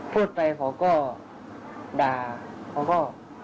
พูดไปเขาก็ด่าเขาก็